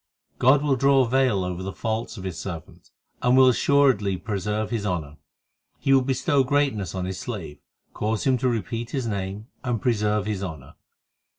4 God will draw a veil over the faults of His servant, And will assuredly preserve his honour ; He will bestow greatness on His slave, Cause him to repeat His name, And preserve his honour.